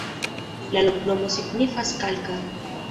La loknomo signifas: kalka.